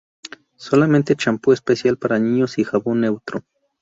Solamente champú especial para niños y jabón neutro.